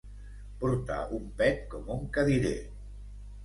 Portar un pet com un cadirer.